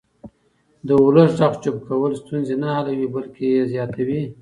د ولس غږ چوپ کول ستونزې نه حلوي بلکې یې زیاتوي